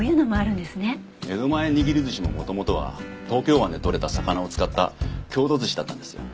江戸前握り寿司も元々は東京湾で取れた魚を使った郷土寿司だったんですよ。